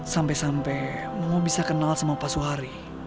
sampai sampai mama bisa kenal sama pak suhari